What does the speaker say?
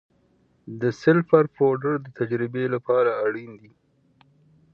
د سلفر پوډر د تجربې لپاره اړین دی.